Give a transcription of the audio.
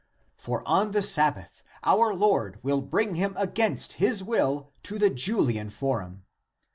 For on the Sabbath our Lord will bring him against his will to the Julian forum.